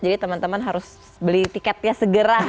jadi teman teman harus beli tiketnya segera